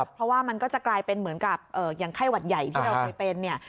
เพราะว่ามันก็จะกลายเป็นเหมือนกับอย่างไข้หวัดใหญ่ที่เราเคยเป็นเนี่ย